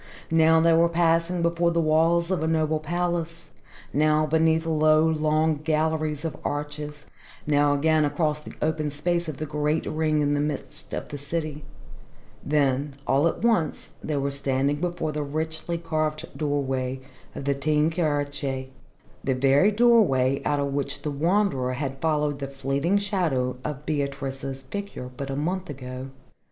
Now they were passing before the walls of a noble palace, now beneath long, low galleries of arches, now again across the open space of the Great Ring in the midst of the city then all at once they were standing before the richly carved doorway of the Teyn Kirche, the very doorway out of which the Wanderer had followed the fleeting shadow of Beatrice's figure but a month ago.